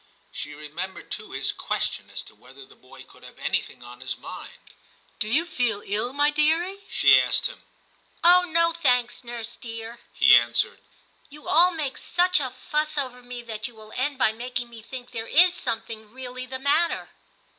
* She remembered too his question as to whether the boy could have anything on his mind. * Do you feel ill, my dearie V she asked him. .' Oh no, thanks, nurse dear,* he answered. * You all make such a fuss over me that you will end by making me think there is some thing really the matter.'